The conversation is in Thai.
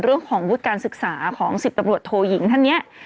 เรื่องของวุฒิการศึกษาของสิบตำรวจโทหยิงท่านเนี่ย